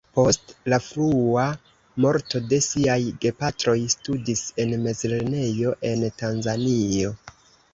Post la frua morto de siaj gepatroj, studis en mezlernejo en Tanzanio.